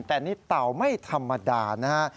แต่นี่เต่าไม่ธรรมดานะฮะ